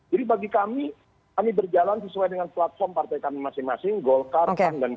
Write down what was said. jadi bagi kami kami berjalan sesuai dengan platform partai kami masing masing golkar pan dan p tiga